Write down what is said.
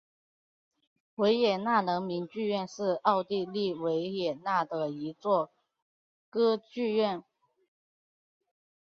维也纳人民剧院是奥地利维也纳的一座歌剧院。